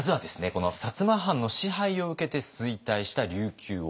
この摩藩の支配を受けて衰退した琉球王国。